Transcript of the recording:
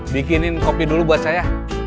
bikinin kopi dulu buat saya